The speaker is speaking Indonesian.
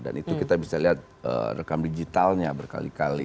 dan itu kita bisa lihat rekam digitalnya berkali kali